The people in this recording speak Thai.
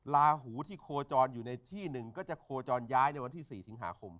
ลาหูที่โคจรอยู่ในที่หนึ่งก็จะโคจรย้ายในวันที่๔สิงหาคม